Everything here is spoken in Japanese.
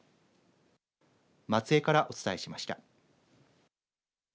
松江からお伝えしました。